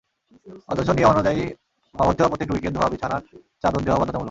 অথচ নিয়মানুযায়ী ভর্তি হওয়া প্রত্যেক রোগীকে ধোয়া বিছানার চাদর দেওয়া বাধ্যতামূলক।